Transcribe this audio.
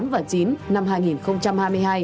bảy tám và chín năm hai nghìn hai mươi hai